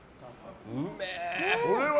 うめえ。